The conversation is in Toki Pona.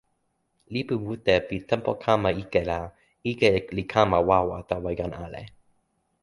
lipu mute pi tenpo kama ike la, ike li kama wawa tawa jan ale.